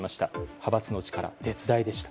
派閥の力は絶大でした。